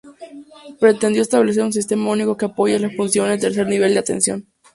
Pretendiendo establecer un sistema único que apoye la función en tercer nivel de atención.